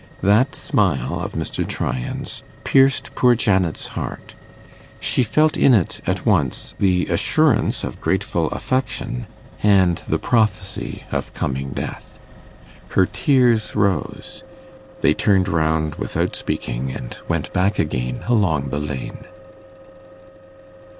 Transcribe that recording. That smile of Mr. Tryan's pierced poor Janet's heart: she felt in it at once the assurance of grateful affection and the prophecy of coming death. Her tears rose; they turned round without speaking, and went back again along the lane.